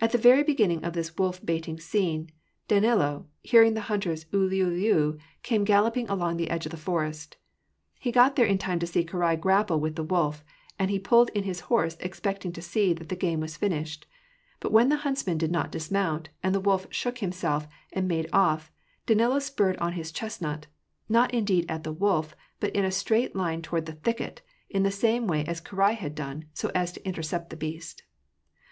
At the very beginning of this wolf baiting scene, Danilo, hearing the hunters' uUuUu, came galloping along the edge of the forest. He got there in time to see Karai grapple with the wolf ; and he pulled in his horse expecting to see that the game was finished. But when the huntsmen did not dismount, and the wolf shook himself and made off, Danilo spurred on his chestnut ; not indeed at the wolf, but in a straight line toward the thicket, in the same way as Karai had done, so as to intercept the beast.